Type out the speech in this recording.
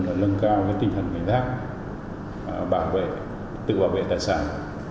và nâng cao tinh thần cảnh giác bảo vệ tự bảo vệ tài sản